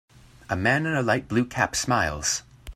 A man in a light blue cap smiles.